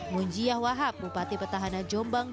munji yahwahab bupati petahana jombang